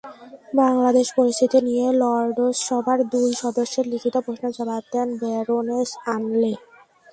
বাংলাদেশ পরিস্থিতি নিয়ে লর্ডসভার দুই সদস্যের লিখিত প্রশ্নের জবাব দেন ব্যারোনেস অ্যানলে।